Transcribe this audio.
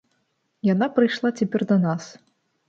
Яна прыйшла цяпер да нас.